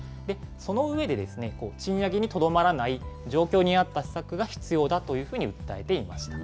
その上で、賃上げにとどまらない、状況に合った施策が必要だというふうに訴えていました。